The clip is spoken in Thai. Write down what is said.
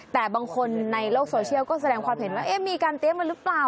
แต่บางคนในโลกโซเชียลก็แสดงความเห็นว่ามีการเตรียมกันหรือเปล่า